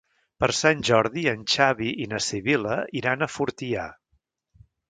Per Sant Jordi en Xavi i na Sibil·la iran a Fortià.